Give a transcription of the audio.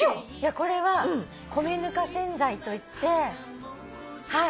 これは米ぬか洗剤といってはい。